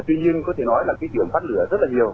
tuy nhiên có thể nói là cái điểm phát lửa rất là nhiều